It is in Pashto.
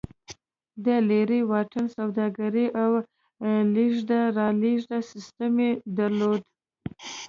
د لېرې واټن سوداګري او لېږد رالېږد سیستم یې درلود